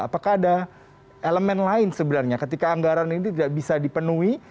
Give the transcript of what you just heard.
apakah ada elemen lain sebenarnya ketika anggaran ini tidak bisa dipenuhi